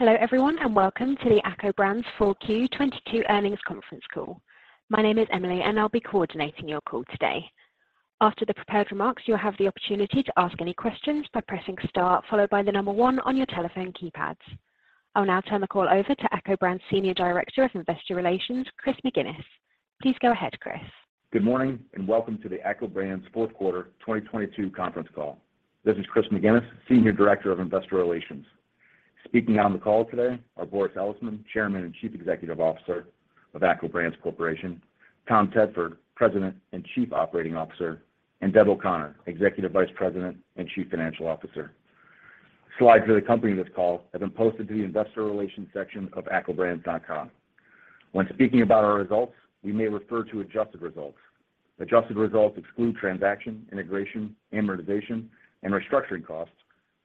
Hello, everyone, and welcome to the ACCO Brands 4Q '22 Earnings Conference Call. My name is Emily, and I'll be coordinating your call today. After the prepared remarks, you'll have the opportunity to ask any questions by pressing star followed by the number one on your telephone keypads. I will now turn the call over to ACCO Brands Senior Director of Investor Relations, Chris McGinnis. Please go ahead, Chris. Good morning, and welcome to the ACCO Brands fourth quarter 2022 conference call. This is Chris McGinnis, Senior Director of Investor Relations. Speaking on the call today are Boris Elisman, Chairman and Chief Executive Officer of ACCO Brands Corporation, Tom Tedford, President and Chief Operating Officer, and Deb O'Connor, Executive Vice President and Chief Financial Officer. Slides that accompany this call have been posted to the investor relations section of accobrands.com. When speaking about our results, we may refer to adjusted results. Adjusted results exclude transaction, integration, amortization, and restructuring costs,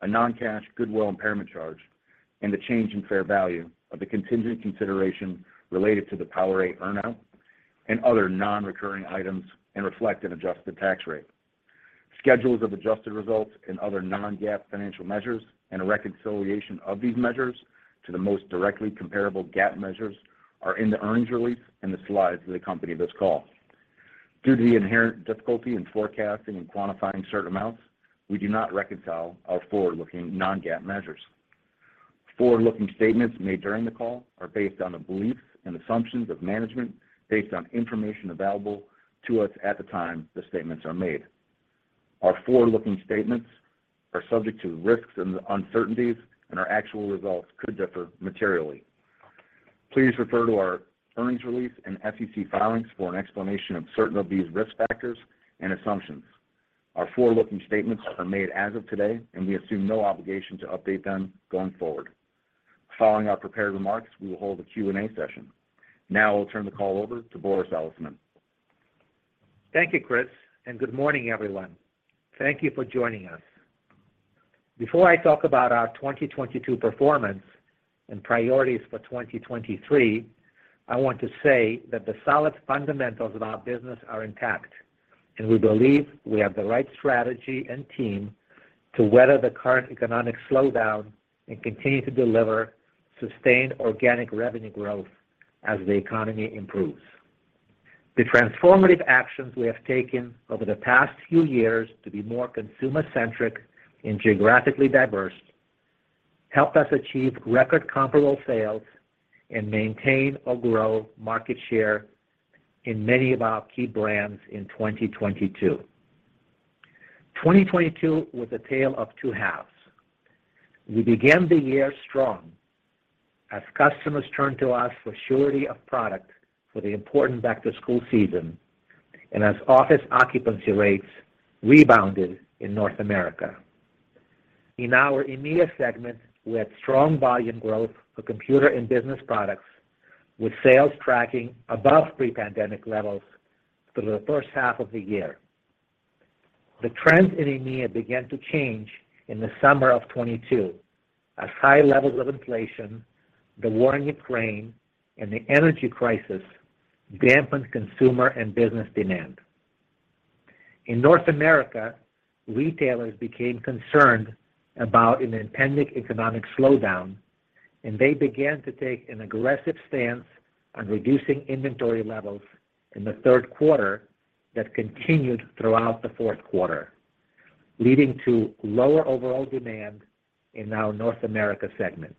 a non-cash goodwill impairment charge, and the change in fair value of the contingent consideration related to the PowerA earnout and other non-recurring items and reflect an adjusted tax rate. Schedules of adjusted results and other non-GAAP financial measures and a reconciliation of these measures to the most directly comparable GAAP measures are in the earnings release and the slides that accompany this call. Due to the inherent difficulty in forecasting and quantifying certain amounts, we do not reconcile our forward-looking non-GAAP measures. Forward-looking statements made during the call are based on the beliefs and assumptions of management based on information available to us at the time the statements are made. Our forward-looking statements are subject to risks and uncertainties, and our actual results could differ materially. Please refer to our earnings release and SEC filings for an explanation of certain of these risk factors and assumptions. Our forward-looking statements are made as of today, and we assume no obligation to update them going forward. Following our prepared remarks, we will hold a Q&A session. Now I'll turn the call over to Boris Elisman. Thank you, Chris, and good morning, everyone. Thank you for joining us. Before I talk about our 2022 performance and priorities for 2023, I want to say that the solid fundamentals of our business are intact, and we believe we have the right strategy and team to weather the current economic slowdown and continue to deliver sustained organic revenue growth as the economy improves. The transformative actions we have taken over the past few years to be more consumer-centric and geographically diverse helped us achieve record comparable sales and maintain or grow market share in many of our key brands in 2022. 2022 was a tale of two halves. We began the year strong as customers turned to us for surety of product for the important back-to-school season and as office occupancy rates rebounded in North America. In our EMEA segment, we had strong volume growth for computer and business products, with sales tracking above pre-pandemic levels through the first half of the year. The trends in EMEA began to change in the summer of 2022 as high levels of inflation, the war in Ukraine, and the energy crisis dampened consumer and business demand. In North America, retailers became concerned about an impending economic slowdown, and they began to take an aggressive stance on reducing inventory levels in the third quarter that continued throughout the fourth quarter, leading to lower overall demand in our North America segment.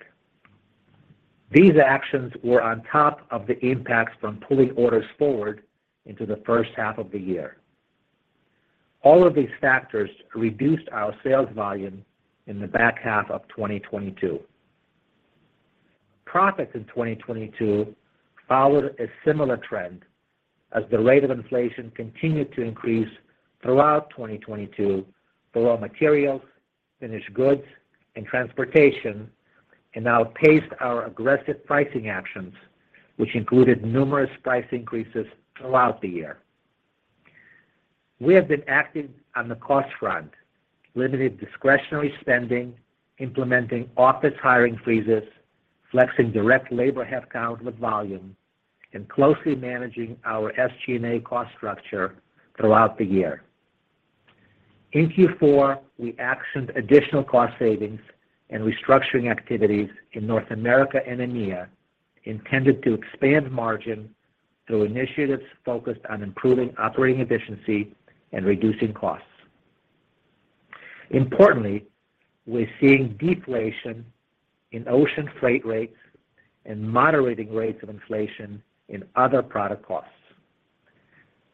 These actions were on top of the impacts from pulling orders forward into the first half of the year. All of these factors reduced our sales volume in the back half of 2022. Profits in 2022 followed a similar trend as the rate of inflation continued to increase throughout 2022 for raw materials, finished goods, and transportation, and outpaced our aggressive pricing actions, which included numerous price increases throughout the year. We have been active on the cost front, limiting discretionary spending, implementing office hiring freezes, flexing direct labor headcount with volume, and closely managing our SG&A cost structure throughout the year. In Q4, we actioned additional cost savings and restructuring activities in North America and EMEA intended to expand margin through initiatives focused on improving operating efficiency and reducing costs. Importantly, we're seeing deflation in ocean freight rates and moderating rates of inflation in other product costs.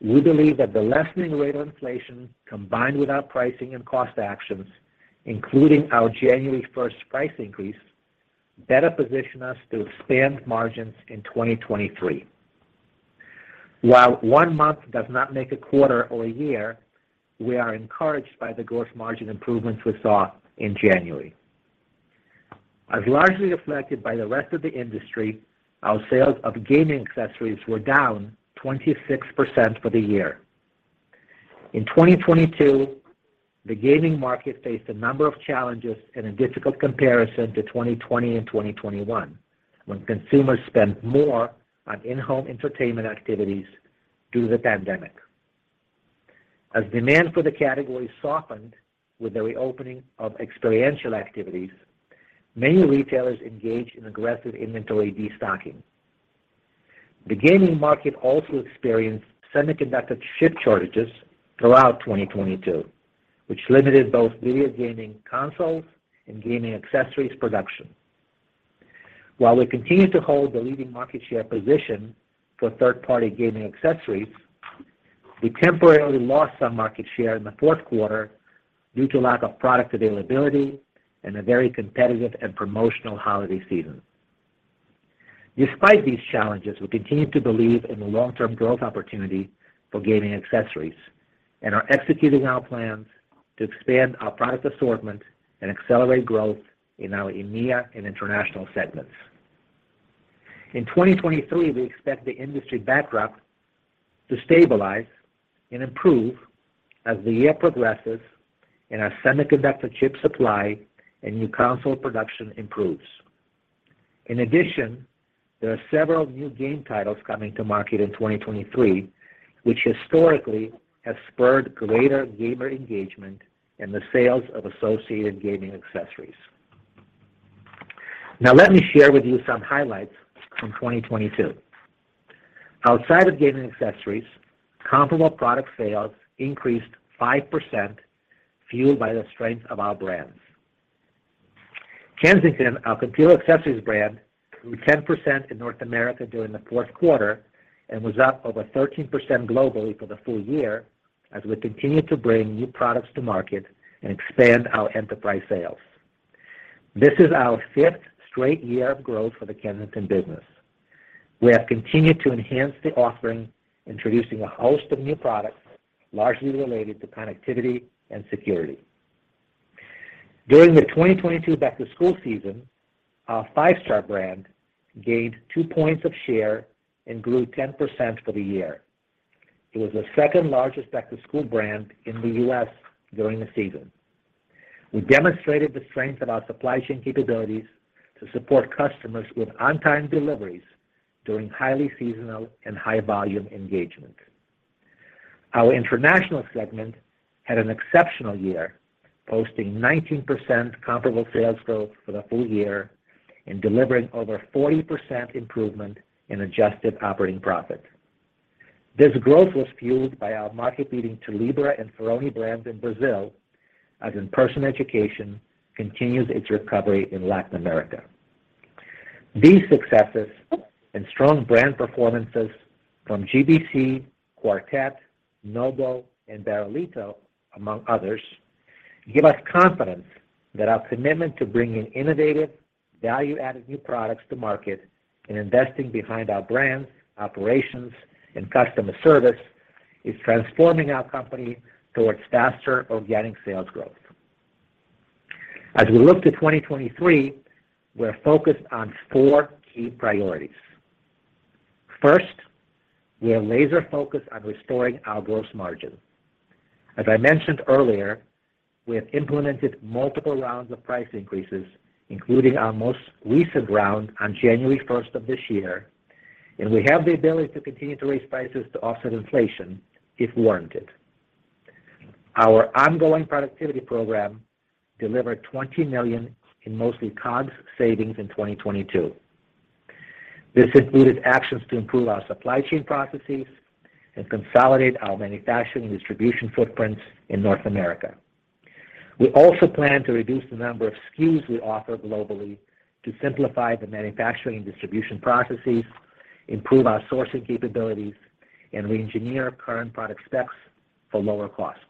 We believe that the lessening rate of inflation, combined with our pricing and cost actions, including our January 1st price increase, better position us to expand margins in 2023. While one month does not make a quarter or a year, we are encouraged by the gross margin improvements we saw in January. As largely affected by the rest of the industry, our sales of gaming accessories were down 26% for the year. In 2022, the gaming market faced a number of challenges and a difficult comparison to 2020 and 2021 when consumers spent more on in-home entertainment activities due to the pandemic. As demand for the category softened with the reopening of experiential activities, many retailers engaged in aggressive inventory destocking. The gaming market also experienced semiconductor chip shortages throughout 2022, which limited both video gaming consoles and gaming accessories production. While we continue to hold the leading market share position for third-party gaming accessories, we temporarily lost some market share in the fourth quarter due to lack of product availability and a very competitive and promotional holiday season. Despite these challenges, we continue to believe in the long-term growth opportunity for gaming accessories and are executing our plans to expand our product assortment and accelerate growth in our EMEA and international segments. In 2023, we expect the industry backdrop to stabilize and improve as the year progresses and our semiconductor chip supply and new console production improves. In addition, there are several new game titles coming to market in 2023, which historically has spurred greater gamer engagement and the sales of associated gaming accessories. Now, let me share with you some highlights from 2022. Outside of gaming accessories, comparable product sales increased 5%, fueled by the strength of our brands. Kensington, our computer accessories brand, grew 10% in North America during the fourth quarter and was up over 13% globally for the full year as we continue to bring new products to market and expand our enterprise sales. This is our fifth straight year of growth for the Kensington business. We have continued to enhance the offering, introducing a host of new products largely related to connectivity and security. During the 2022 back-to-school season, our Five Star brand gained two points of share and grew 10% for the year. It was the second-largest back-to-school brand in the U.S. during the season. We demonstrated the strength of our supply chain capabilities to support customers with on-time deliveries during highly seasonal and high volume engagement. Our international segment had an exceptional year, posting 19% comparable sales growth for the full year and delivering over 40% improvement in adjusted operating profit. This growth was fueled by our market-leading Tilibra and Foroni brands in Brazil as in-person education continues its recovery in Latin America. These successes and strong brand performances from GBC, Quartet, NOBO, and Barrilito, among others, give us confidence that our commitment to bringing innovative, value-added new products to market and investing behind our brands, operations, and customer service is transforming our company towards faster organic sales growth. As we look to 2023, we're focused on four key priorities. First, we are laser-focused on restoring our gross margin. As I mentioned earlier, we have implemented multiple rounds of price increases, including our most recent round on January first of this year, and we have the ability to continue to raise prices to offset inflation if warranted. Our ongoing productivity program delivered $20 million in mostly COGS savings in 2022. This included actions to improve our supply chain processes and consolidate our manufacturing and distribution footprints in North America. We also plan to reduce the number of SKUs we offer globally to simplify the manufacturing and distribution processes, improve our sourcing capabilities, and reengineer current product specs for lower cost.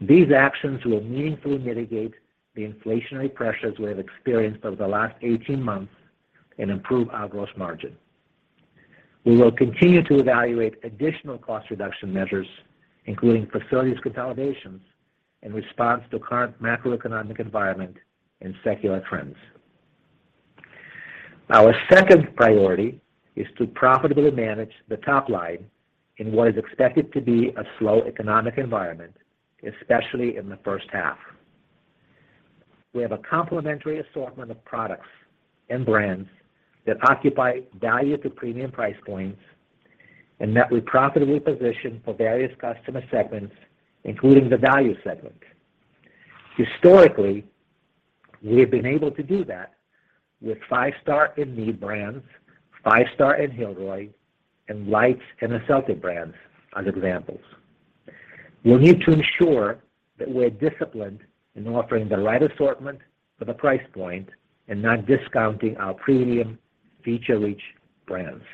These actions will meaningfully mitigate the inflationary pressures we have experienced over the last 18 months and improve our gross margin. We will continue to evaluate additional cost reduction measures, including facilities consolidations, in response to current macroeconomic environment and secular trends. Our second priority is to profitably manage the top line in what is expected to be a slow economic environment, especially in the first half. We have a complimentary assortment of products and brands that occupy value to premium price points and that we profitably position for various customer segments, including the value segment. Historically, we have been able to do that with Five Star in-need brands, Five Star and Hilroy, and Leitz and Esselte brands as examples. We'll need to ensure that we're disciplined in offering the right assortment for the price point and not discounting our premium feature-rich brands.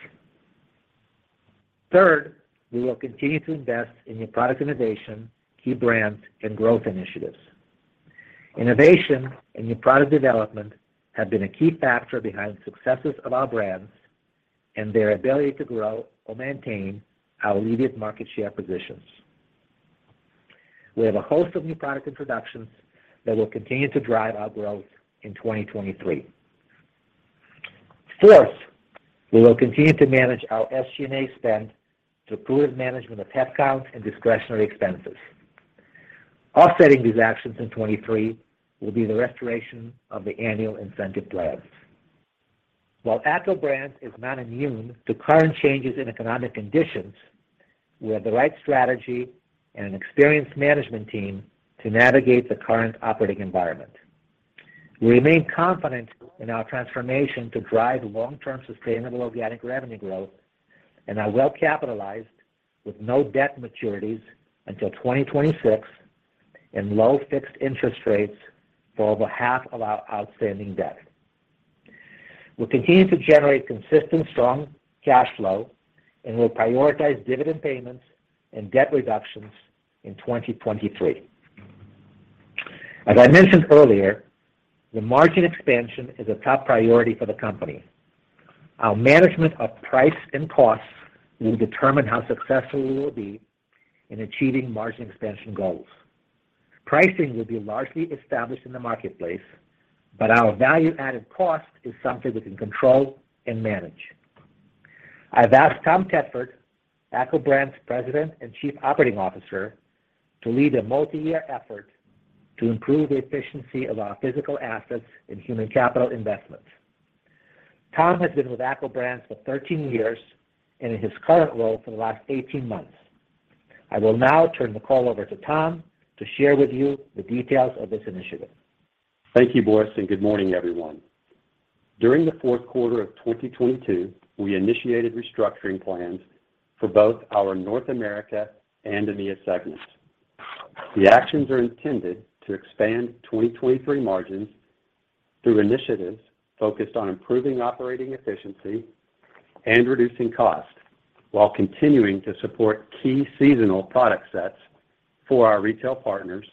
Third, we will continue to invest in new product innovation, key brands, and growth initiatives. Innovation and new product development have been a key factor behind the successes of our brands and their ability to grow or maintain our leading market share positions. We have a host of new product introductions that will continue to drive our growth in 2023. Fourth, we will continue to manage our SG&A spend through prudent management of headcounts and discretionary expenses. Offsetting these actions in 2023 will be the restoration of the annual incentive plans. While ACCO Brands is not immune to current changes in economic conditions, we have the right strategy and an experienced management team to navigate the current operating environment. We remain confident in our transformation to drive long-term sustainable organic revenue growth and are well capitalized with no debt maturities until 2026 and low fixed interest rates for over half of our outstanding debt. We'll continue to generate consistent strong cash flow, we'll prioritize dividend payments and debt reductions in 2023. As I mentioned earlier, the margin expansion is a top priority for the company. Our management of price and costs will determine how successful we will be in achieving margin expansion goals. Pricing will be largely established in the marketplace, but our value-added cost is something we can control and manage. I've asked Tom Tedford, ACCO Brands President and Chief Operating Officer, to lead a multiyear effort to improve the efficiency of our physical assets and human capital investments. Tom has been with ACCO Brands for 13 years and in his current role for the last 18 months. I will now turn the call over to Tom to share with you the details of this initiative. Thank you, Boris. Good morning, everyone. During the fourth quarter of 2022, we initiated restructuring plans for both our North America and EMEA segments. The actions are intended to expand 2023 margins through initiatives focused on improving operating efficiency and reducing costs while continuing to support key seasonal product sets for our retail partners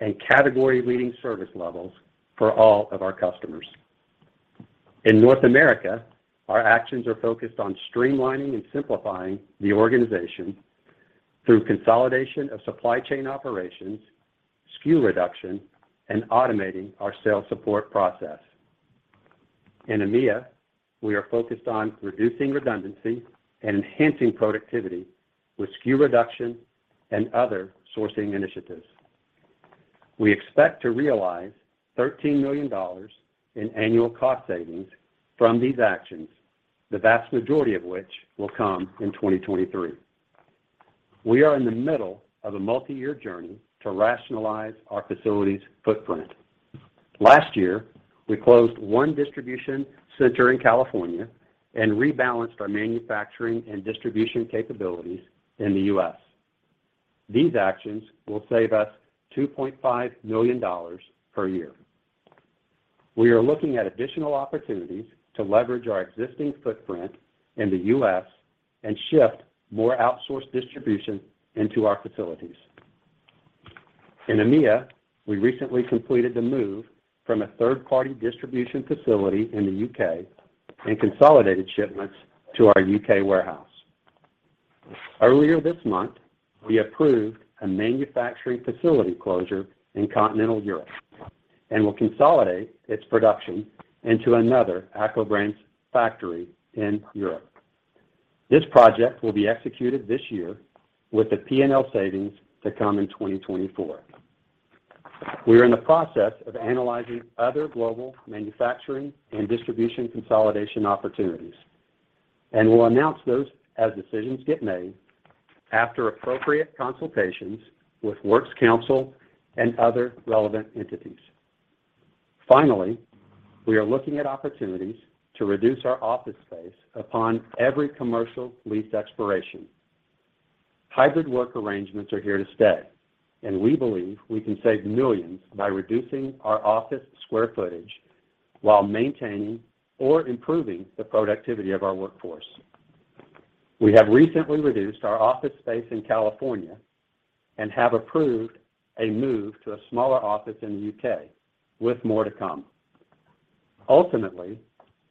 and category-leading service levels for all of our customers. In North America, our actions are focused on streamlining and simplifying the organization through consolidation of supply chain operations, SKU reduction, and automating our sales support process. In EMEA, we are focused on reducing redundancy and enhancing productivity with SKU reduction and other sourcing initiatives. We expect to realize $13 million in annual cost savings from these actions, the vast majority of which will come in 2023. We are in the middle of a multiyear journey to rationalize our facilities footprint. Last year, we closed one distribution center in California and rebalanced our manufacturing and distribution capabilities in the U.S. These actions will save us $2.5 million per year. We are looking at additional opportunities to leverage our existing footprint in the U.S. and shift more outsourced distribution into our facilities. In EMEA, we recently completed the move from a third-party distribution facility in the U.K. and consolidated shipments to our U.K. warehouse. Earlier this month, we approved a manufacturing facility closure in Continental Europe and will consolidate its production into another ACCO Brands factory in Europe. This project will be executed this year with the P&L savings to come in 2024. We are in the process of analyzing other global manufacturing and distribution consolidation opportunities, and we'll announce those as decisions get made after appropriate consultations with Works Council and other relevant entities. We are looking at opportunities to reduce our office space upon every commercial lease expiration. Hybrid work arrangements are here to stay, we believe we can save millions by reducing our office square footage while maintaining or improving the productivity of our workforce. We have recently reduced our office space in California have approved a move to a smaller office in the U.K. with more to come.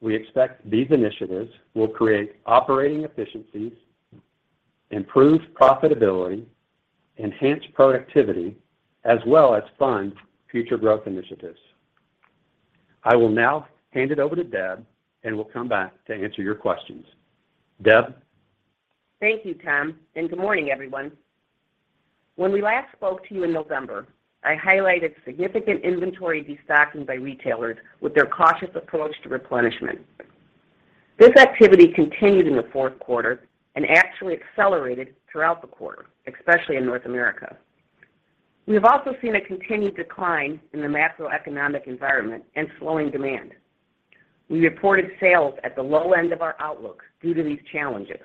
We expect these initiatives will create operating efficiencies, improve profitability, enhance productivity as well as fund future growth initiatives. I will now hand it over to Deb, we'll come back to answer your questions. Deb. Thank you, Tom, and good morning, everyone. When we last spoke to you in November, I highlighted significant inventory destocking by retailers with their cautious approach to replenishment. This activity continued in the fourth quarter and actually accelerated throughout the quarter, especially in North America. We have also seen a continued decline in the macroeconomic environment and slowing demand. We reported sales at the low end of our outlook due to these challenges.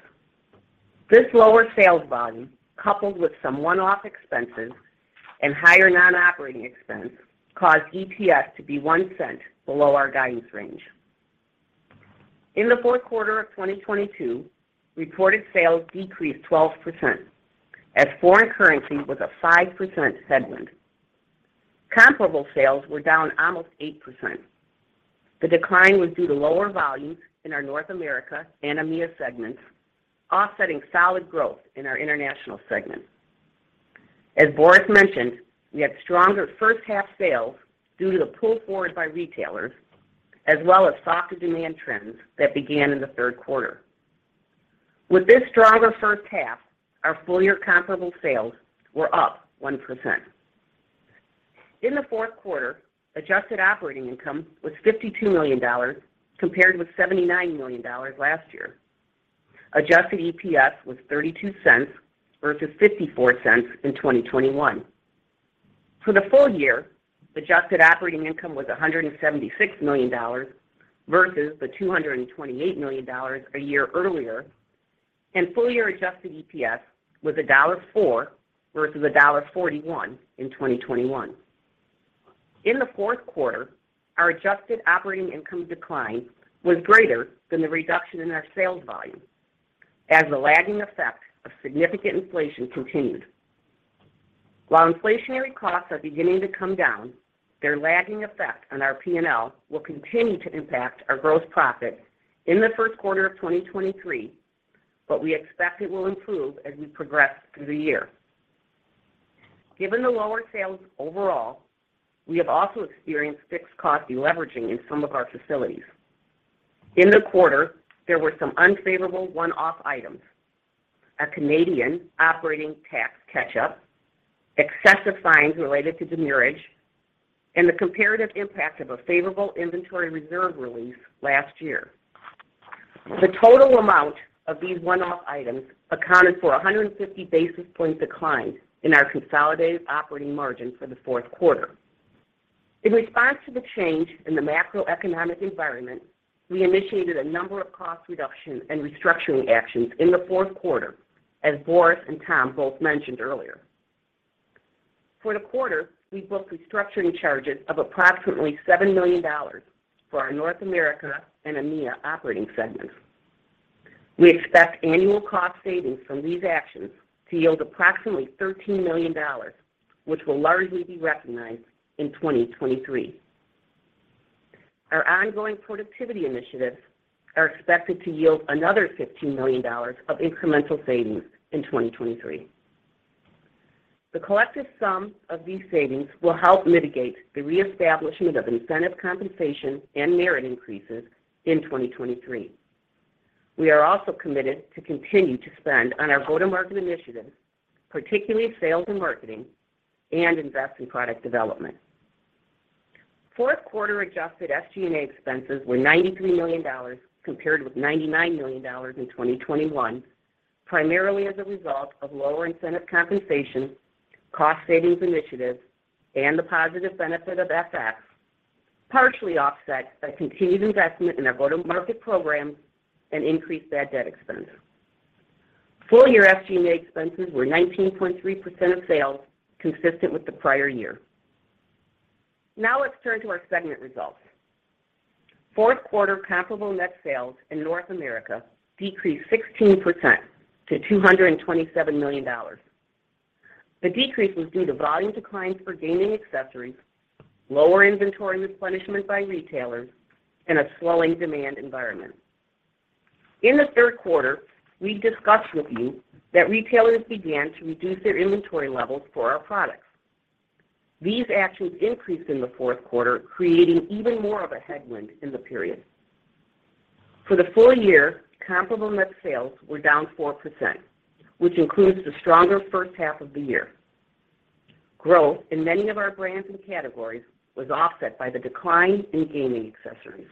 This lower sales volume, coupled with some one-off expenses and higher non-operating expense, caused EPS to be $0.01 below our guidance range. In the fourth quarter of 2022, reported sales decreased 12% as foreign currency was a 5% headwind. Comparable sales were down almost 8%. The decline was due to lower volumes in our North America and EMEA segments, offsetting solid growth in our international segment. As Boris mentioned, we had stronger first half sales due to the pull forward by retailers as well as softer demand trends that began in the third quarter. With this stronger first half, our full year comparable sales were up 1%. In the fourth quarter, adjusted operating income was $52 million compared with $79 million last year. Adjusted EPS was $0.32 versus $0.54 in 2021. For the full year, adjusted operating income was $176 million versus the $228 million a year earlier, and full year adjusted EPS was $1.04 versus $1.41 in 2021. In the fourth quarter, our adjusted operating income decline was greater than the reduction in our sales volume as the lagging effect of significant inflation continued. While inflationary costs are beginning to come down, their lagging effect on our P&L will continue to impact our gross profit in the first quarter of 2023, but we expect it will improve as we progress through the year. Given the lower sales overall, we have also experienced fixed cost deleveraging in some of our facilities. In the quarter, there were some unfavorable one-off items. A Canadian operating tax catch-up, excessive fines related to demurrage, and the comparative impact of a favorable inventory reserve release last year. The total amount of these one-off items accounted for a 150 basis point decline in our consolidated operating margin for the fourth quarter. In response to the change in the macroeconomic environment, we initiated a number of cost reduction and restructuring actions in the fourth quarter, as Boris and Tom both mentioned earlier. For the quarter, we booked restructuring charges of approximately $7 million for our North America and EMEA operating segments. We expect annual cost savings from these actions to yield approximately $13 million, which will largely be recognized in 2023. Our ongoing productivity initiatives are expected to yield another $15 million of incremental savings in 2023. The collective sum of these savings will help mitigate the reestablishment of incentive compensation and merit increases in 2023. We are also committed to continue to spend on our go-to-market initiatives, particularly sales and marketing and invest in product development. Fourth quarter adjusted SG&A expenses were $93 million compared with $99 million in 2021, primarily as a result of lower incentive compensation, cost savings initiatives, and the positive benefit of FX, partially offset by continued investment in our go-to-market programs and increased bad debt expense. Full year SG&A expenses were 19.3% of sales, consistent with the prior year. Now let's turn to our segment results. Fourth quarter comparable net sales in North America decreased 16% to $227 million. The decrease was due to volume declines for gaming accessories, lower inventory replenishment by retailers, and a slowing demand environment. In the third quarter, we discussed with you that retailers began to reduce their inventory levels for our products. These actions increased in the fourth quarter, creating even more of a headwind in the period. For the full year, comparable net sales were down 4%, which includes the stronger first half of the year. Growth in many of our brands and categories was offset by the decline in gaming accessories.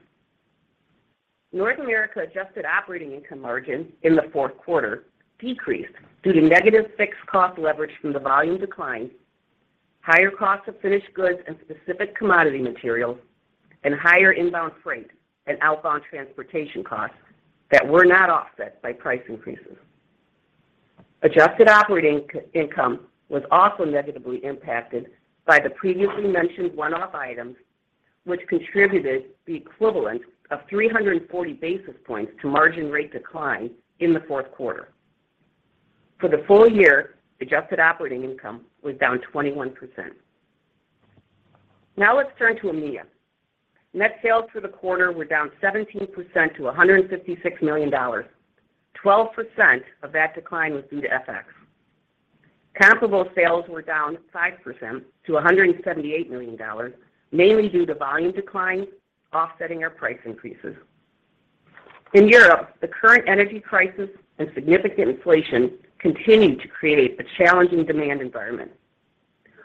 North America adjusted operating income margin in the fourth quarter decreased due to negative fixed cost leverage from the volume decline, higher costs of finished goods and specific commodity materials, and higher inbound freight and outbound transportation costs that were not offset by price increases. Adjusted operating income was also negatively impacted by the previously mentioned one-off items, which contributed the equivalent of 340 basis points to margin rate decline in the fourth quarter. For the full year, adjusted operating income was down 21%. Let's turn to EMEA. Net sales for the quarter were down 17% to $156 million. 12% of that decline was due to FX. Comparable sales were down 5% to $178 million, mainly due to volume decline offsetting our price increases. In Europe, the current energy crisis and significant inflation continued to create a challenging demand environment.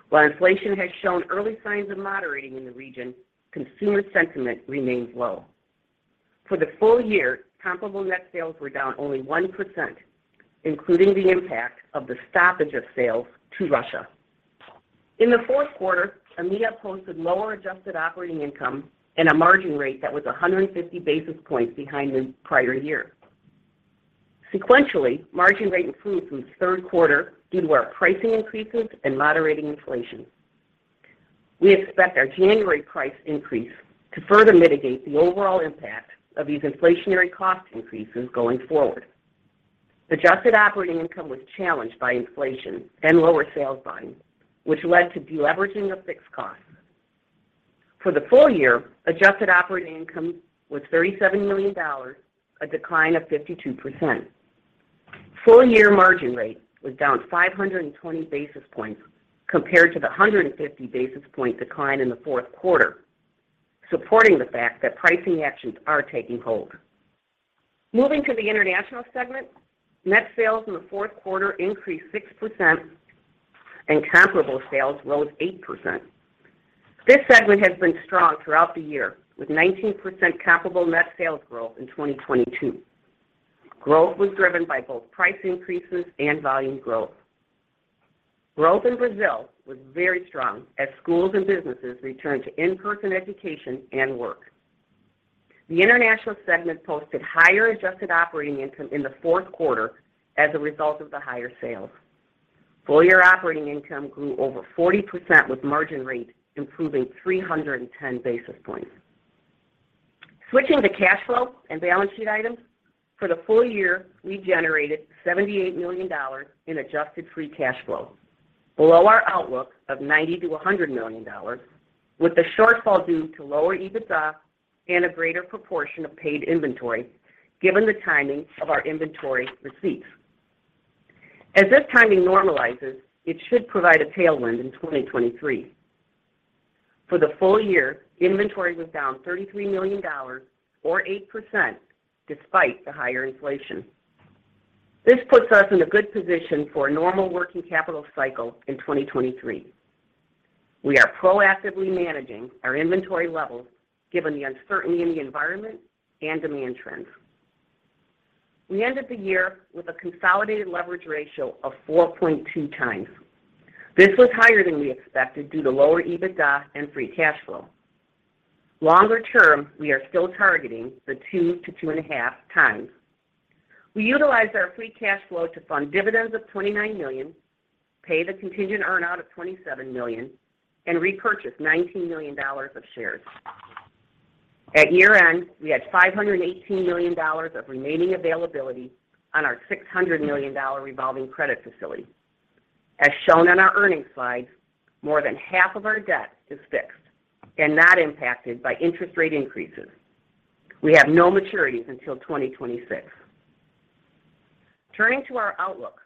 While inflation has shown early signs of moderating in the region, consumer sentiment remains low. For the full year, comparable net sales were down only 1%, including the impact of the stoppage of sales to Russia. In the fourth quarter, EMEA posted lower adjusted operating income and a margin rate that was 150 basis points behind the prior year. Sequentially, margin rate improved from the third quarter due to our pricing increases and moderating inflation. We expect our January price increase to further mitigate the overall impact of these inflationary cost increases going forward. Adjusted operating income was challenged by inflation and lower sales volume, which led to deleveraging of fixed costs. For the full year, adjusted operating income was $37 million, a decline of 52%. Full year margin rate was down 520 basis points compared to the 150 basis point decline in the fourth quarter supporting the fact that pricing actions are taking hold. Moving to the international segment, net sales in the fourth quarter increased 6% and comparable sales rose 8%. This segment has been strong throughout the year, with 19% comparable net sales growth in 2022. Growth was driven by both price increases and volume growth. Growth in Brazil was very strong as schools and businesses returned to in-person education and work. The international segment posted higher adjusted operating income in the fourth quarter as a result of the higher sales. Full year operating income grew over 40% with margin rate improving 310 basis points. Switching to cash flow and balance sheet items, for the full year, we generated $78 million in adjusted free cash flow, below our outlook of $90 million-$100 million, with the shortfall due to lower EBITDA and a greater proportion of paid inventory given the timing of our inventory receipts. As this timing normalizes, it should provide a tailwind in 2023. For the full year, inventory was down $33 million or 8% despite the higher inflation. This puts us in a good position for a normal working capital cycle in 2023. We are proactively managing our inventory levels given the uncertainty in the environment and demand trends. We ended the year with a consolidated leverage ratio of 4.2x. This was higher than we expected due to lower EBITDA and free cash flow. Longer term, we are still targeting the 2 to 2.5 times. We utilized our free cash flow to fund dividends of $29 million, pay the contingent earn-out of $27 million, and repurchase $19 million of shares. At year-end, we had $518 million of remaining availability on our $600 million revolving credit facility. As shown on our earnings slide, more than half of our debt is fixed and not impacted by interest rate increases. We have no maturities until 2026. Turning to our outlook,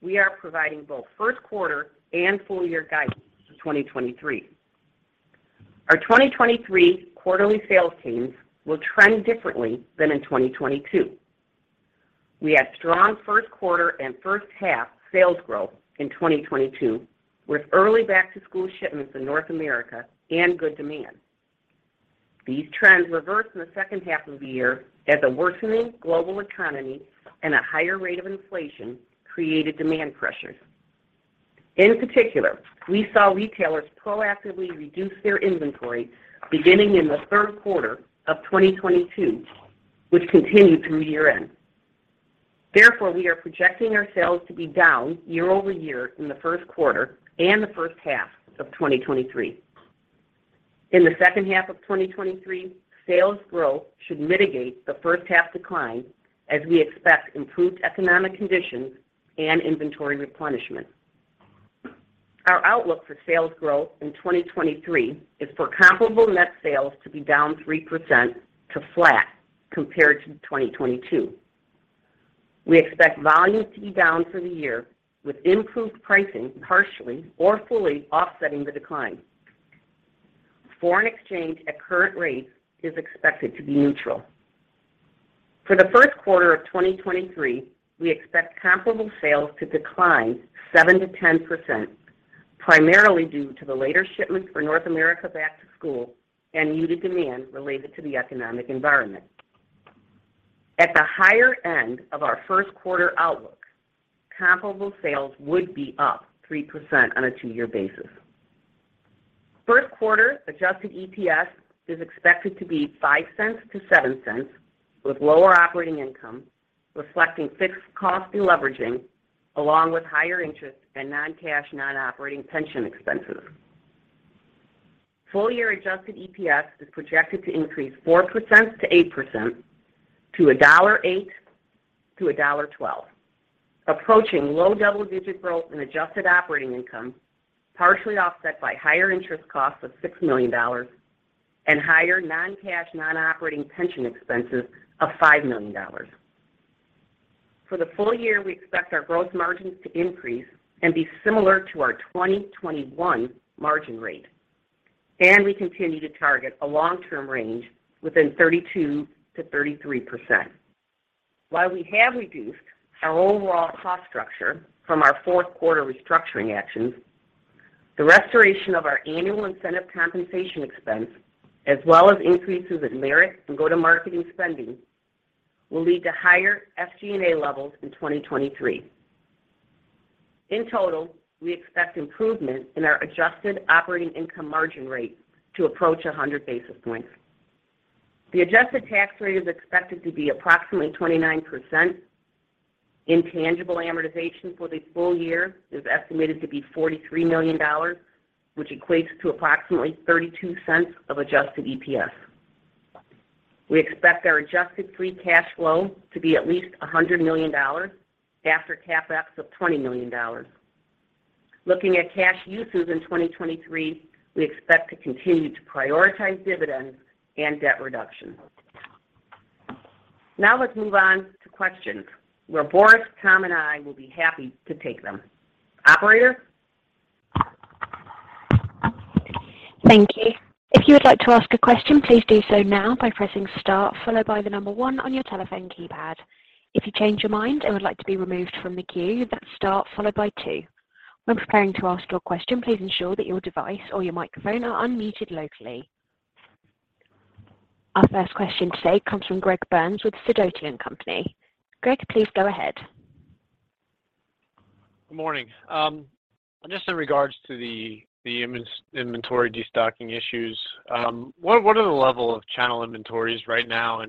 we are providing both first quarter and full year guidance for 2023. Our 2023 quarterly sales trends will trend differently than in 2022. We had strong first quarter and first half sales growth in 2022, with early back to school shipments in North America and good demand. These trends reversed in the second half of the year as a worsening global economy and a higher rate of inflation created demand pressures. In particular, we saw retailers proactively reduce their inventory beginning in the third quarter of 2022, which continued through year-end. Therefore, we are projecting our sales to be down year-over-year in the first quarter and the first half of 2023. In the second half of 2023, sales growth should mitigate the first half decline as we expect improved economic conditions and inventory replenishment. Our outlook for sales growth in 2023 is for comparable net sales to be down 3% to flat compared to 2022. We expect volume to be down for the year with improved pricing partially or fully offsetting the decline. Foreign exchange at current rates is expected to be neutral. For the first quarter of 2023, we expect comparable sales to decline 7%-10%, primarily due to the later shipments for North America back to school and muted demand related to the economic environment. At the higher end of our first quarter outlook, comparable sales would be up 3% on a two-year basis. First quarter adjusted EPS is expected to be $0.05-$0.07, with lower operating income reflecting fixed cost deleveraging along with higher interest and non-cash, non-operating pension expenses. Full year adjusted EPS is projected to increase 4%-8% to $1.08-$1.12, approaching low double-digit growth in adjusted operating income, partially offset by higher interest costs of $6 million and higher non-cash, non-operating pension expenses of $5 million. For the full year, we expect our growth margins to increase and be similar to our 2021 margin rate. We continue to target a long-term range within 32%-33%. While we have reduced our overall cost structure from our fourth quarter restructuring actions, the restoration of our annual incentive compensation expense, as well as increases in merit and go-to-marketing spending, will lead to higher SG&A levels in 2023. In total, we expect improvement in our adjusted operating income margin rate to approach 100 basis points. The adjusted tax rate is expected to be approximately 29%. Intangible amortization for the full year is estimated to be $43 million, which equates to approximately $0.32 of adjusted EPS. We expect our adjusted free cash flow to be at least $100 million after CapEx of $20 million. Looking at cash uses in 2023, we expect to continue to prioritize dividends and debt reduction. Now let's move on to questions where Boris, Tom, and I will be happy to take them. Operator? Thank you. If you would like to ask a question, please do so now by pressing star followed by one on your telephone keypad. If you change your mind and would like to be removed from the queue, that's star followed by two. When preparing to ask your question, please ensure that your device or your microphone are unmuted locally. Our first question today comes from Greg Burns with SIDOTI & Company. Greg, please go ahead. Good morning. Just in regards to the inventory destocking issues, what are the level of channel inventories right now?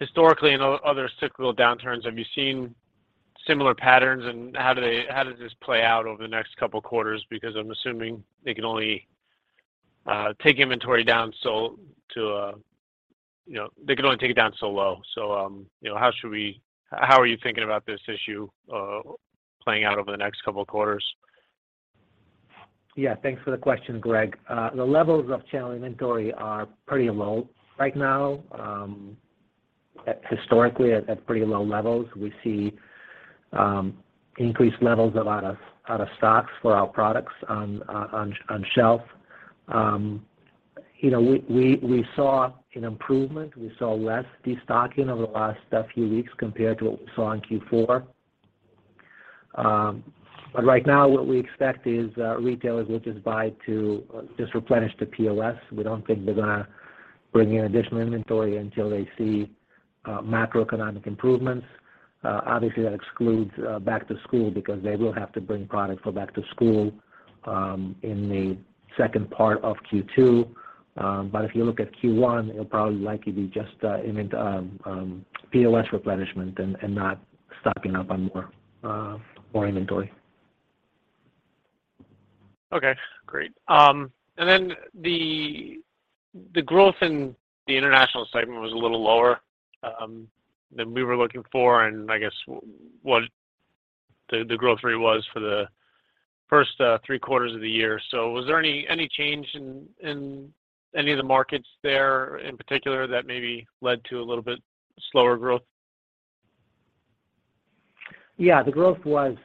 Historically, in other cyclical downturns, have you seen similar patterns? How does this play out over the next couple of quarters? I'm assuming they can only take inventory down so to, you know, they can only take it down so low. You know, how are you thinking about this issue playing out over the next couple of quarters? Yeah. Thanks for the question, Greg. The levels of channel inventory are pretty low right now, historically at pretty low levels. We see increased levels of out of stocks for our products on shelf. You know, we saw an improvement. We saw less destocking over the last few weeks compared to what we saw in Q4. But right now what we expect is retailers will just buy to just replenish the POS. We don't think they're gonna bring in additional inventory until they see macroeconomic improvements. Obviously, that excludes back to school because they will have to bring product for back to school in the second part of Q2. If you look at Q1, it'll probably likely be just POS replenishment and not stocking up on more inventory. Okay, great. The growth in the international segment was a little lower than we were looking for. I guess what the growth rate was for the first three quarters of the year. Was there any change in any of the markets there in particular that maybe led to a little bit slower growth? Yeah. The growth was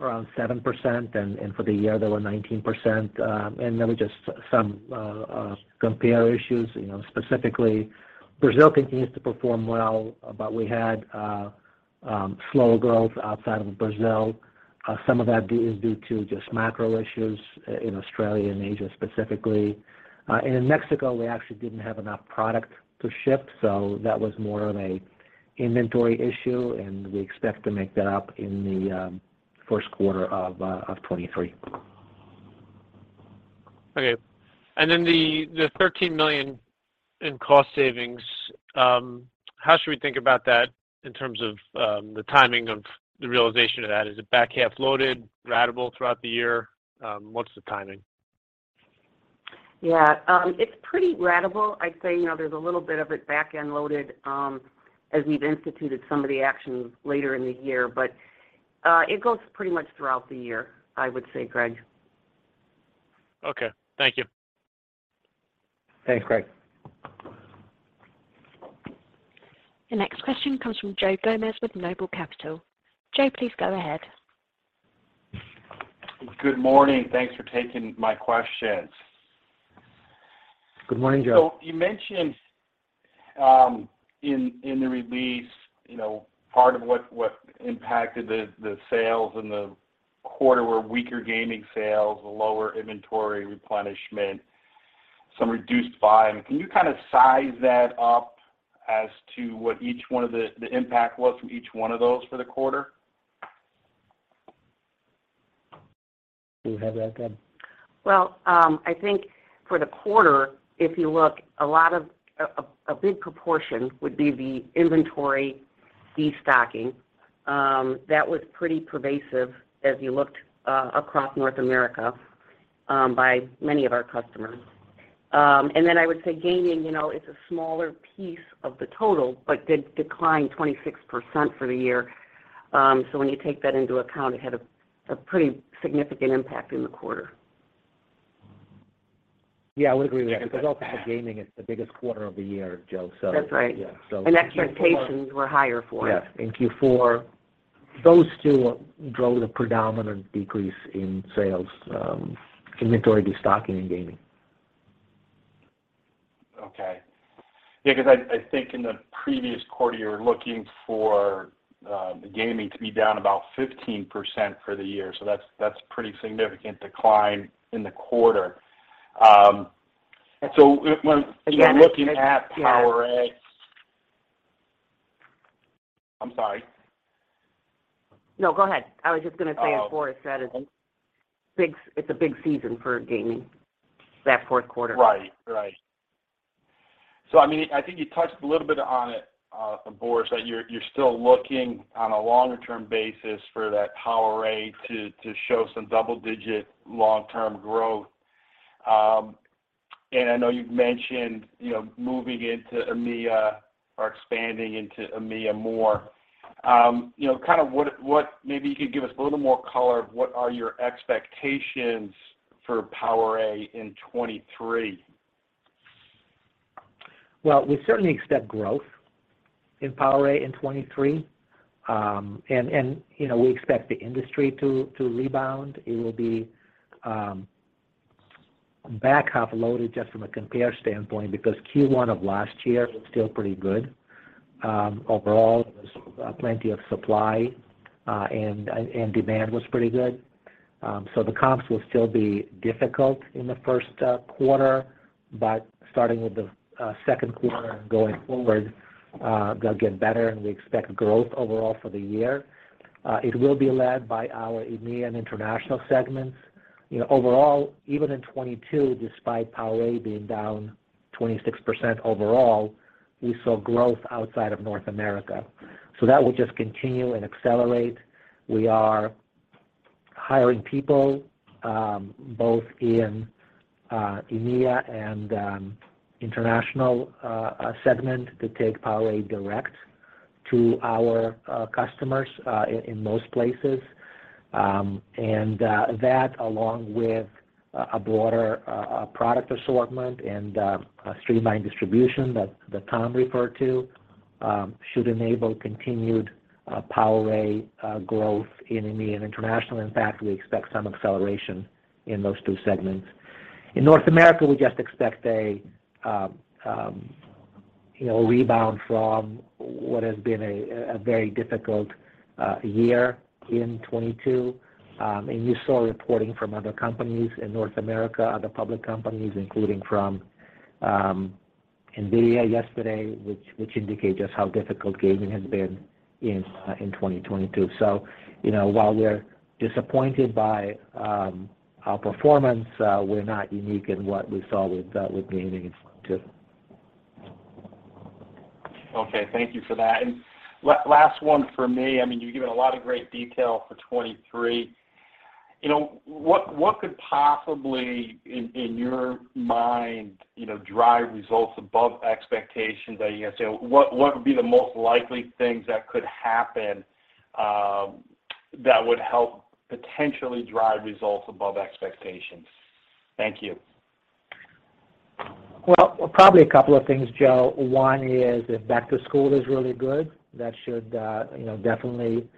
around 7%, and for the year there were 19%. There were just some compare issues. You know, specifically, Brazil continues to perform well, but we had slower growth outside of Brazil. Some of that is due to just macro issues in Australia and Asia specifically. In Mexico, we actually didn't have enough product to ship, so that was more of a inventory issue, and we expect to make that up in the first quarter of 2023. Okay. The $13 million in cost savings, how should we think about that in terms of the timing of the realization of that? Is it back half loaded, ratable throughout the year? What's the timing? Yeah. It's pretty ratable. I'd say, you know, there's a little bit of it back-end loaded, as we've instituted some of the actions later in the year. It goes pretty much throughout the year, I would say, Greg. Okay. Thank you. Thanks, Greg. The next question comes from Joe Gomes with Noble Capital. Joe, please go ahead. Good morning. Thanks for taking my questions. Good morning, Joe. You mentioned, in the release, you know, part of what impacted the sales in the quarter were weaker gaming sales, lower inventory replenishment, some reduced volume. Can you kind of size that up as to what each one of the impact was from each one of those for the quarter? Do you have that, Deb? Well, I think for the quarter, if you look, a big proportion would be the inventory destocking. That was pretty pervasive as you looked across North America by many of our customers. Then I would say gaming, you know, it's a smaller piece of the total, but did decline 26% for the year. When you take that into account, it had a pretty significant impact in the quarter. Yeah, I would agree with that because also for gaming, it's the biggest quarter of the year, Joe, so. That's right. Yeah. Expectations were higher for it. Yes. In Q4, those two drove the predominant decrease in sales, inventory destocking and gaming. Okay. Yeah, 'cause I think in the previous quarter, you were looking for, the gaming to be down about 15% for the year. That's pretty significant decline in the quarter. Again.... looking at PowerA. I'm sorry. No, go ahead. I was just gonna say, as Boris said, it's a big season for gaming, that fourth quarter. Right. Right. I mean, I think you touched a little bit on it, Boris, that you're still looking on a longer-term basis for that PowerA to show some double-digit long-term growth. I know you've mentioned, you know, moving into EMEA or expanding into EMEA more. You know, kind of what, maybe you could give us a little more color of what are your expectations for PowerA in 2023. We certainly expect growth in PowerA in 2023. You know, we expect the industry rebound. It will be back half loaded just from a compare standpoint because Q1 of last year was still pretty good. Overall, there was plenty of supply and demand was pretty good. The comps will still be difficult in the first quarter, but starting with the second quarter and going forward, they'll get better and we expect growth overall for the year. It will be led by our EMEA and international segments. You know, overall, even in 2022, despite PowerA being down 26% overall, we saw growth outside of North America. That will just continue and accelerate. We are hiring people, both in EMEA and international segment to take PowerA direct to our customers in most places. That along with a broader product assortment and a streamlined distribution that Tom referred to, should enable continued PowerA growth in EMEA and international. In fact, we expect some acceleration in those two segments. In North America, we just expect a, you know, a rebound from what has been a very difficult year in 2022. You saw reporting from other companies in North America, other public companies, including from NVIDIA yesterday, which indicate just how difficult gaming has been in 2022. you know, while we're disappointed by our performance, we're not unique in what we saw with gaming in 2022. Okay. Thank you for that. Last one for me. I mean, you've given a lot of great detail for 2023. You know, what could possibly in your mind, you know, drive results above expectations at ESA? What, what would be the most likely things that could happen that would help potentially drive results above expectations? Thank you. Probably a couple of things, Joe. One is if back to school is really good, that should, you know, definitely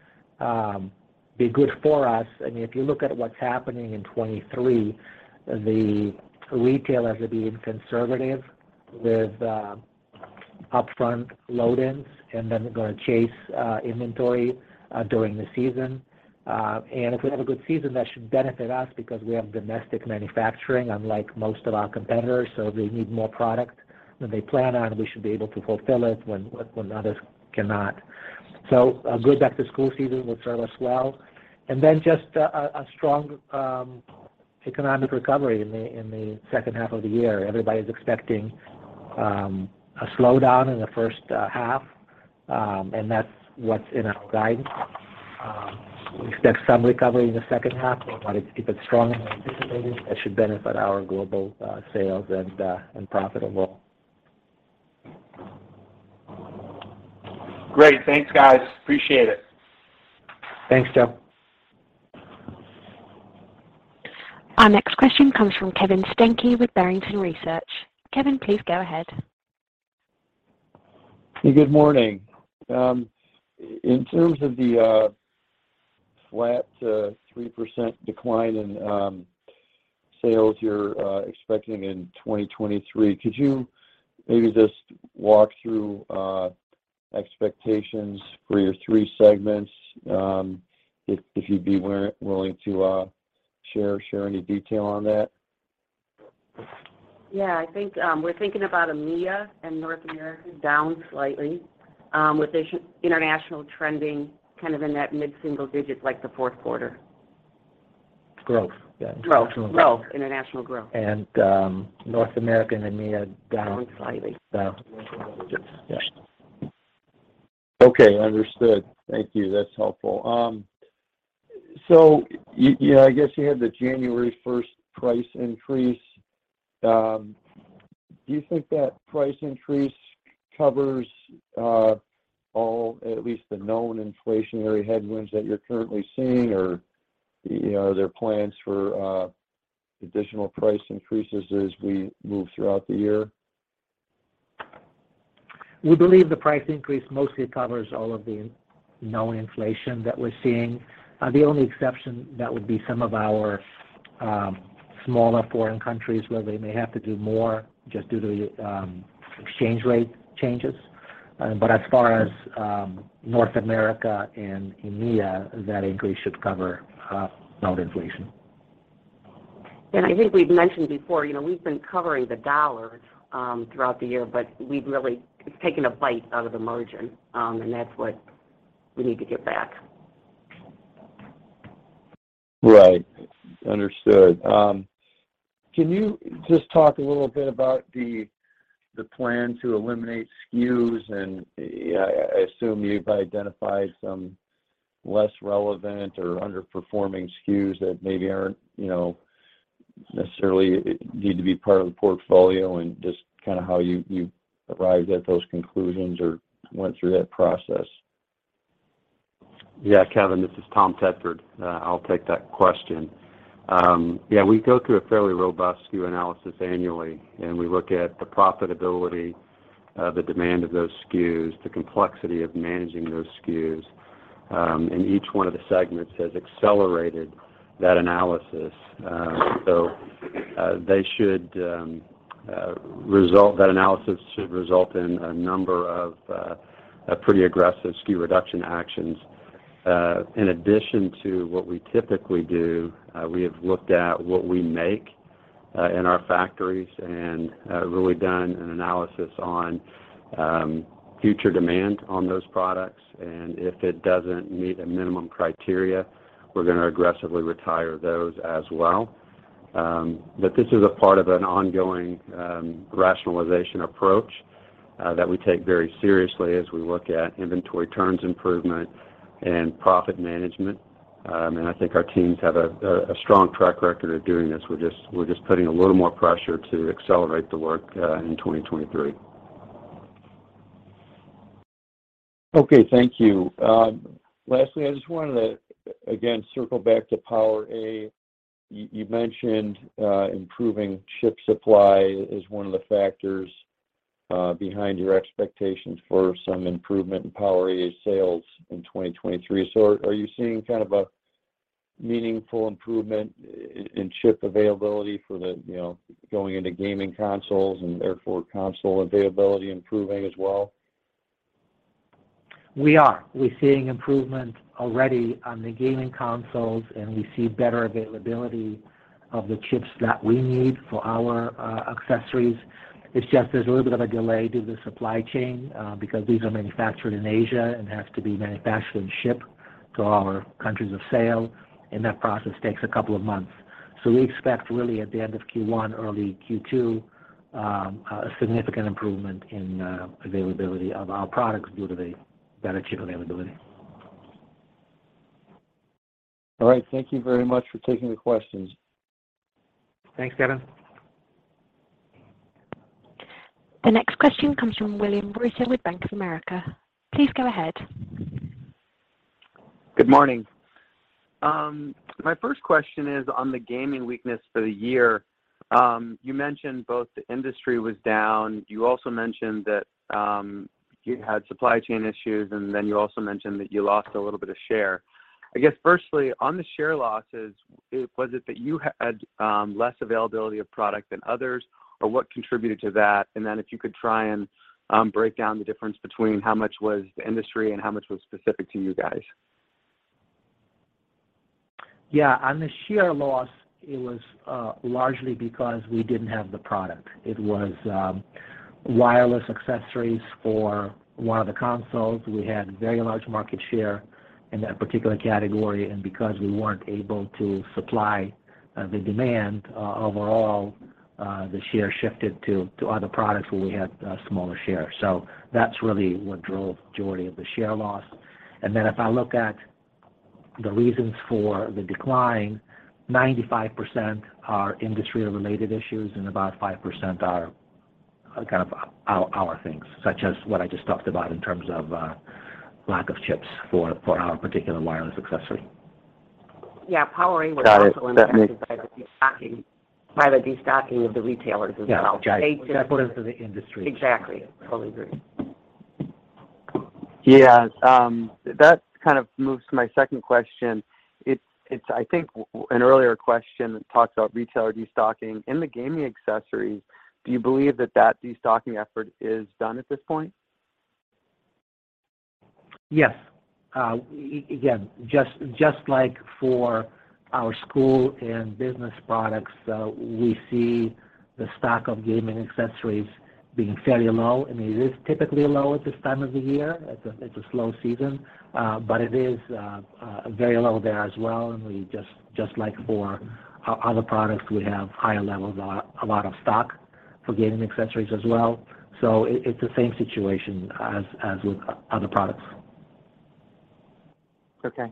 be good for us. I mean, if you look at what's happening in 23, the retailers are being conservative with upfront load-ins, and then they're gonna chase inventory during the season. If we have a good season, that should benefit us because we have domestic manufacturing unlike most of our competitors. If they need more product than they plan on, we should be able to fulfill it when others cannot. A good back-to-school season will serve us well. Then just a strong economic recovery in the second half of the year. Everybody's expecting a slowdown in the first half, and that's what's in our guidance. We expect some recovery in the second half, but if it's stronger than anticipated, that should benefit our global sales and profitable. Great. Thanks, guys. Appreciate it. Thanks, Joe. Our next question comes from Kevin Steinke with Barrington Research. Kevin, please go ahead. Good morning. In terms of the flat to 3% decline in sales you're expecting in 2023, could you maybe just walk through expectations for your three segments, if you'd be willing to share any detail on that? Yeah. I think, we're thinking about EMEA and North America down slightly, with the international trending kind of in that mid-single digits like the fourth quarter. Growth. Yeah. Growth. International growth. Growth. International growth. North America and EMEA down slightly. Down slightly. One to two digits. Yeah. Okay. Understood. Thank you. That's helpful. Yeah, I guess you had the January 1st price increase. Do you think that price increase covers all at least the known inflationary headwinds that you're currently seeing or, you know, are there plans for additional price increases as we move throughout the year? We believe the price increase mostly covers all of the known inflation that we're seeing. The only exception that would be some of our smaller foreign countries where they may have to do more just due to the exchange rate changes. As far as North America and EMEA, that increase should cover known inflation. I think we've mentioned before, you know, we've been covering the dollar, throughout the year, but it's taken a bite out of the margin, and that's what we need to get back. Right. Understood. Can you just talk a little bit about the plan to eliminate SKUs? I assume you've identified some less relevant or underperforming SKUs that maybe aren't Necessarily need to be part of the portfolio and just kinda how you arrived at those conclusions or went through that process? Yeah, Kevin, this is Tom Tedford. I'll take that question. We go through a fairly robust SKU analysis annually, and we look at the profitability of the demand of those SKUs, the complexity of managing those SKUs. Each one of the segments has accelerated that analysis. That analysis should result in a number of a pretty aggressive SKU reduction actions. In addition to what we typically do, we have looked at what we make in our factories and really done an analysis on future demand on those products. If it doesn't meet a minimum criteria, we're gonna aggressively retire those as well. This is a part of an ongoing rationalization approach that we take very seriously as we look at inventory turns improvement and profit management. I think our teams have a strong track record of doing this. We're just putting a little more pressure to accelerate the work in 2023. Okay. Thank you. lastly, I just wanted to again circle back to PowerA. You mentioned improving chip supply as one of the factors behind your expectations for some improvement in PowerA sales in 2023. Are you seeing kind of a meaningful improvement in chip availability for the, you know, going into gaming consoles and therefore console availability improving as well? We are. We're seeing improvement already on the gaming consoles. We see better availability of the chips that we need for our accessories. It's just there's a little bit of a delay to the supply chain because these are manufactured in Asia and have to be manufactured and shipped to our countries of sale, and that process takes a couple of months. We expect really at the end of Q1, early Q2, a significant improvement in availability of our products due to the better chip availability. All right. Thank you very much for taking the questions. Thanks, Kevin. The next question comes from William Reuter with Bank of America. Please go ahead. Good morning. My first question is on the gaming weakness for the year. You mentioned both the industry was down. You also mentioned that you had supply chain issues, and then you also mentioned that you lost a little bit of share. I guess, firstly, on the share losses, was it that you had less availability of product than others, or what contributed to that? If you could try and break down the difference between how much was the industry and how much was specific to you guys. On the share loss, it was largely because we didn't have the product. It was wireless accessories for one of the consoles. We had very large market share in that particular category, and because we weren't able to supply the demand, overall, the share shifted to other products where we had a smaller share. That's really what drove majority of the share loss. If I look at the reasons for the decline, 95% are industry related issues, and about 5% are kind of our things, such as what I just talked about in terms of lack of chips for our particular wireless accessory. Got it. That makes- Yeah, PowerA was also impacted by the destocking of the retailers as well. Yeah. Got it. Which I put into the industry. Exactly. Totally agree. That kind of moves to my second question. It's I think an earlier question that talks about retailer destocking. In the gaming accessories, do you believe that that destocking effort is done at this point? Yes. again, just like for our school and business products, we see the stock of gaming accessories being fairly low. I mean, it is typically low at this time of the year. It's a slow season, but it is very low there as well. We just like for our other products, we have higher levels, a lot of stock for gaming accessories as well. It's the same situation as with other products. Okay.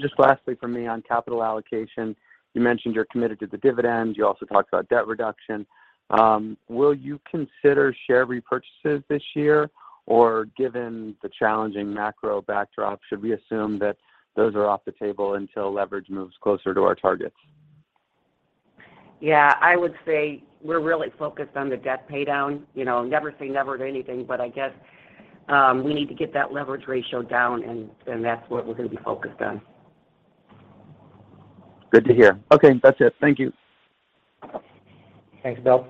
Just lastly from me on capital allocation, you mentioned you're committed to the dividends. You also talked about debt reduction. Will you consider share repurchases this year, or given the challenging macro backdrop, should we assume that those are off the table until leverage moves closer to our targets? Yeah. I would say we're really focused on the debt pay down. You know, never say never to anything, but I guess, we need to get that leverage ratio down, and that's what we're gonna be focused on. Good to hear. Okay. That's it. Thank you. Thanks, Will.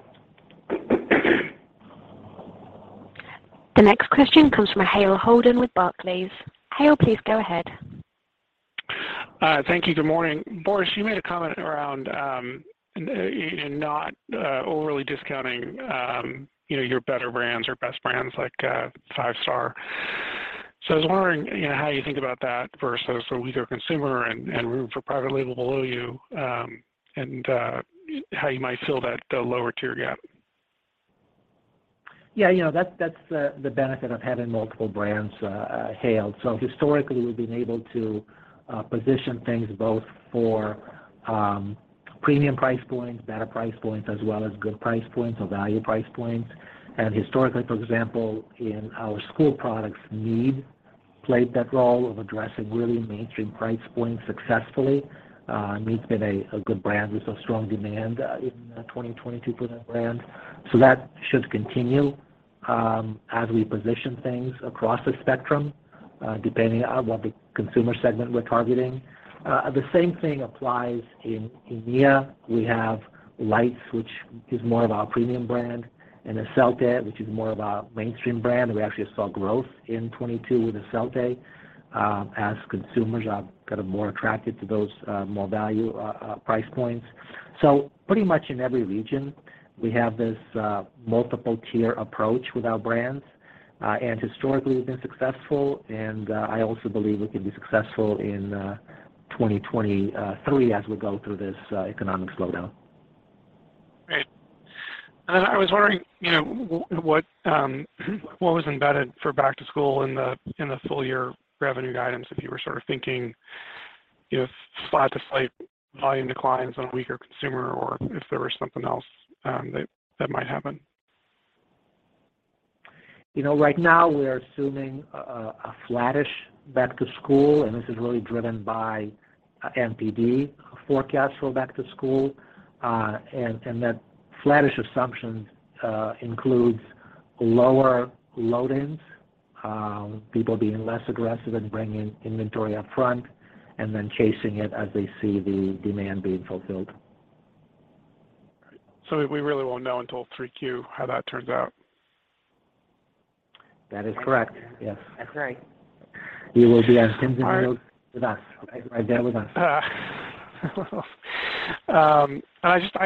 The next question comes from Hale Holden with Barclays. Hale, please go ahead. Thank you. Good morning. Boris, you made a comment around not overly discounting, you know, your better brands or best brands like Five Star. I was wondering, you know, how you think about that versus a weaker consumer and room for private label below you, and how you might fill that, the lower tier gap. Yeah, you know, that's the benefit of having multiple brands, Hale. Historically, we've been able to position things both for premium price points, better price points, as well as good price points or value price points. Historically, for example, in our school products, Mead played that role of addressing really mainstream price points successfully. Mead's been a good brand with a strong demand in 2022 for that brand. That should continue as we position things across the spectrum, depending on what the consumer segment we're targeting. The same thing applies in EMEA. We have Leitz, which is more of our premium brand, and Esselte, which is more of our mainstream brand. We actually saw growth in 22 with Esselte, as consumers are kind of more attracted to those, more value price points. Pretty much in every region, we have this multiple tier approach with our brands. Historically, we've been successful, and I also believe we can be successful in 2023 as we go through this economic slowdown. Great. I was wondering, you know, what was embedded for back to school in the, in the full year revenue items, if you were sort of thinking, if flat to slight volume declines on weaker consumer or if there was something else that might happen. You know, right now we are assuming a flat-ish back to school. This is really driven by NPD forecast for back to school. That flat-ish assumption includes lower load-ins, people being less aggressive in bringing inventory up front and then chasing it as they see the demand being fulfilled. We really won't know until 3Q how that turns out. That is correct. Yes. That's right. You will be on Kensington Road with us. Right there with us. I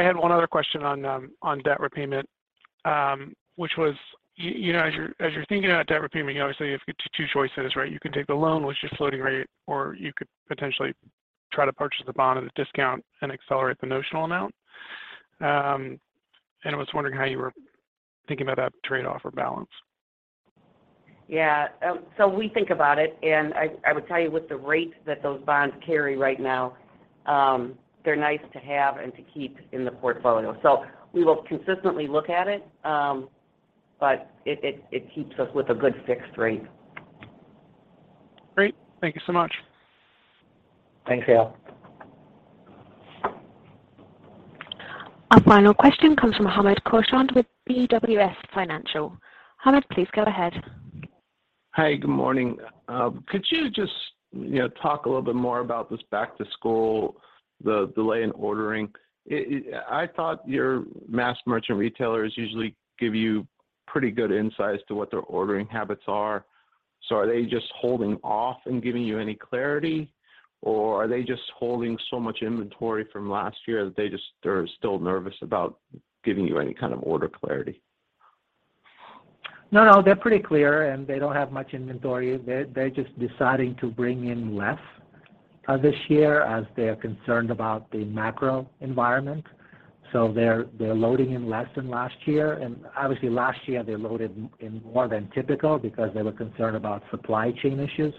had one other question on debt repayment, which was you know, as you're thinking about debt repayment, you obviously have two choices, right? You can take the loan, which is floating rate, or you could potentially try to purchase the bond at a discount and accelerate the notional amount. I was wondering how you were thinking about that trade-off or balance. Yeah. We think about it, and I would tell you with the rates that those bonds carry right now, they're nice to have and to keep in the portfolio. We will consistently look at it, but it keeps us with a good fixed rate. Great. Thank you so much. Thanks, Hale. Our final question comes from Hamed Khorsand with BWS Financial. Hamed, please go ahead. Hi, good morning. Could you just, you know, talk a little bit more about this back to school, the delay in ordering? It, I thought your mass merchant retailers usually give you pretty good insights to what their ordering habits are. Are they just holding off in giving you any clarity, or are they just holding so much inventory from last year that they're still nervous about giving you any kind of order clarity? No, they're pretty clear. They don't have much inventory. They're just deciding to bring in less this year as they're concerned about the macro environment. They're loading in less than last year. Obviously, last year, they loaded in more than typical because they were concerned about supply chain issues.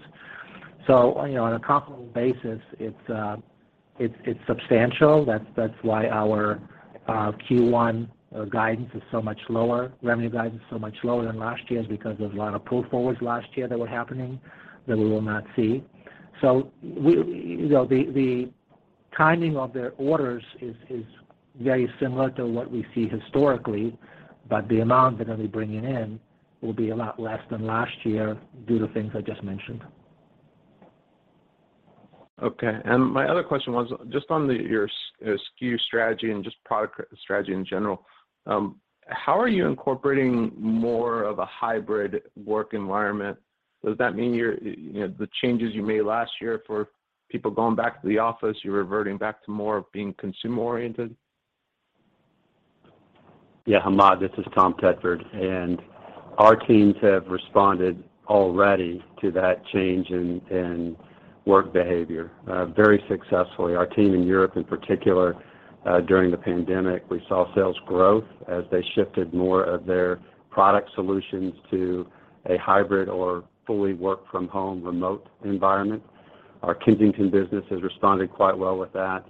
You know, on a comparable basis, it's substantial. That's why our Q1 guidance is so much lower. Revenue guidance is so much lower than last year's because there was a lot of pull forwards last year that were happening that we will not see. You know, the timing of their orders is very similar to what we see historically, but the amount that they'll be bringing in will be a lot less than last year due to things I just mentioned. My other question was just on your SKU strategy and just product strategy in general, how are you incorporating more of a hybrid work environment? Does that mean you're, you know, the changes you made last year for people going back to the office, you're reverting back to more of being consumer-oriented? Hamed, this is Tom Tedford. Our teams have responded already to that change in work behavior very successfully. Our team in Europe in particular, during the pandemic, we saw sales growth as they shifted more of their product solutions to a hybrid or fully work from home remote environment. Our Kensington business has responded quite well with that.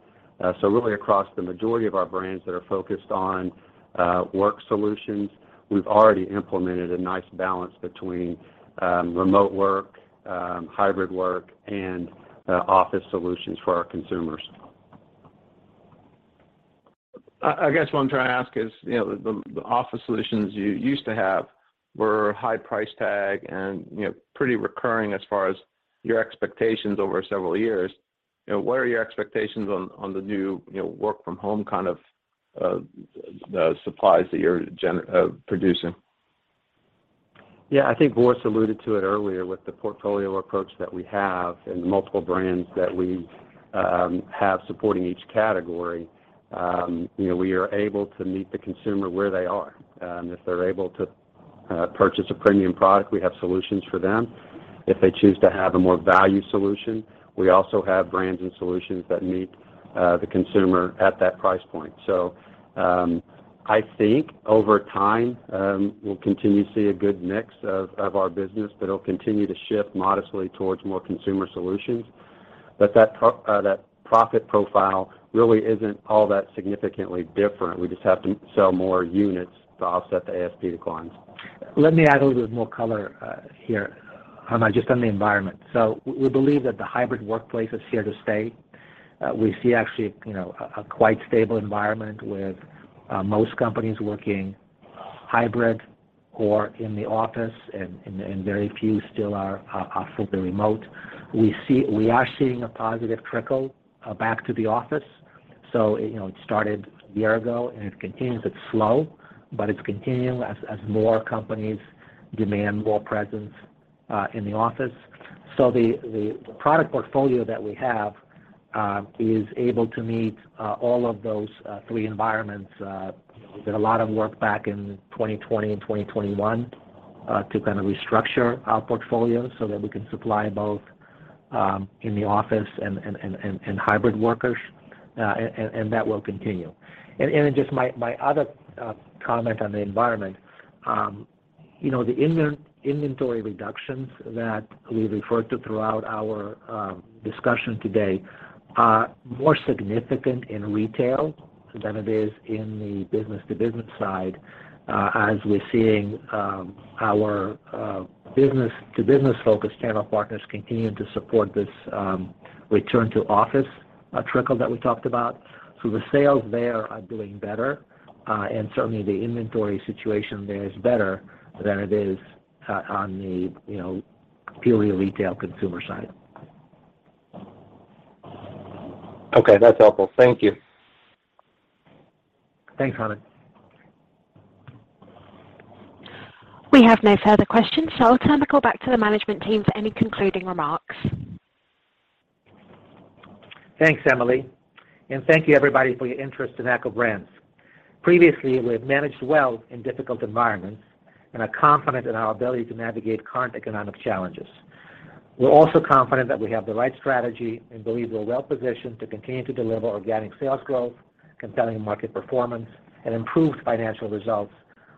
So really across the majority of our brands that are focused on work solutions, we've already implemented a nice balance between remote work, hybrid work, and office solutions for our consumers. I guess what I'm trying to ask is, you know, the office solutions you used to have were high price tag and, you know, pretty recurring as far as your expectations over several years. You know, what are your expectations on the new, you know, work from home kind of supplies that you're producing? Yeah. I think Boris alluded to it earlier with the portfolio approach that we have and the multiple brands that we have supporting each category. you know, we are able to meet the consumer where they are. If they're able to purchase a premium product, we have solutions for them. If they choose to have a more value solution, we also have brands and solutions that meet the consumer at that price point. I think over time, we'll continue to see a good mix of our business, but it'll continue to shift modestly towards more consumer solutions. That profit profile really isn't all that significantly different. We just have to sell more units to offset the ASP declines. Let me add a little bit more color, here, Hamed, just on the environment. We believe that the hybrid workplace is here to stay. We see actually, you know, a quite stable environment with most companies working hybrid or in the office and very few still are fully remote. We are seeing a positive trickle back to the office. You know, it started a year ago and it continues. It's slow, but it's continuing as more companies demand more presence in the office. The product portfolio that we have is able to meet all of those three environments. We did a lot of work back in 2020 and 2021 to kind of restructure our portfolio so that we can supply both in the office and hybrid workers and that will continue. Just my other comment on the environment, you know, the inventory reductions that we referred to throughout our discussion today are more significant in retail than it is in the business-to-business side, as we're seeing our business-to-business-focused channel partners continuing to support this return to office trickle that we talked about. The sales there are doing better, and certainly the inventory situation there is better than it is on the, you know, purely retail consumer side. Okay. That's helpful. Thank you. Thanks, Hamed. We have no further questions, so I'll turn the call back to the management team for any concluding remarks. Thanks, Emily. Thank you, everybody, for your interest in ACCO Brands. Previously, we have managed well in difficult environments and are confident in our ability to navigate current economic challenges. We're also confident that we have the right strategy and believe we're well positioned to continue to deliver organic sales growth, compelling market performance, and improved financial results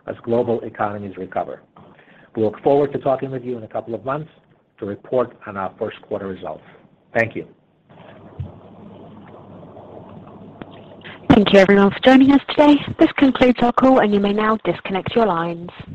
as global economies recover. We look forward to talking with you in a couple of months to report on our first quarter results. Thank you. Thank you everyone for joining us today. This concludes our call, and you may now disconnect your lines.